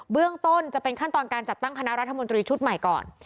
เรื่องต้นจะเป็นขั้นตอนการจัดตั้งคณะรัฐมนตรีชุดใหม่ก่อน